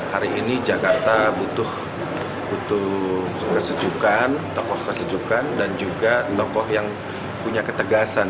hari ini jakarta butuh kesejukan tokoh kesejukan dan juga tokoh yang punya ketegasan